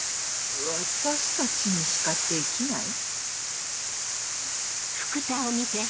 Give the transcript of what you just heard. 私たちにしかできない？